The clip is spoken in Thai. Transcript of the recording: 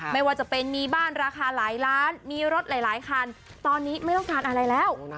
ไม่ว่าจะเป็นมีบ้านราคาหลายล้านมีรถหลายคันตอนนี้ไม่ต้องการอะไรแล้ว